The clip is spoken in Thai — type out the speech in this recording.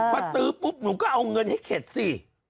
ตื้อปุ๊บหนูก็เอาเงินให้เข็ดสิ